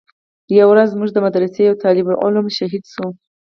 يوه ورځ زموږ د مدرسې يو طالب العلم شهيد سو.